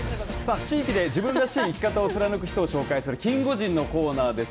地域で自分らしい生き方を貫く人を紹介するキンゴジンのコーナーです。